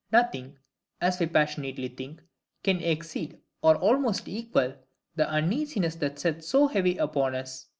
Nothing, as we passionately think, can exceed, or almost equal, the uneasiness that sits so heavy upon us.